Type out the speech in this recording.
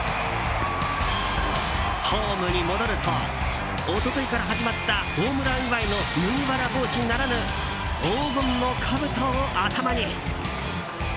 ホームに戻ると一昨日から始まったホームラン祝いの麦わら帽子ならぬ黄金のカブトを頭に。